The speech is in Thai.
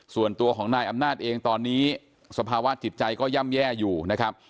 ส่วนตัวของนายอำนาจเองตอนนี้สภาวะจิตใจก็ย่ำแย่อยู่นะครับ